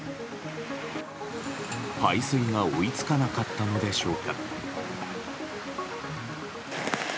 排水が追いつかなかったのでしょうか。